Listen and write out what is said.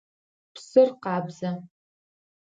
Псыр къабзэ.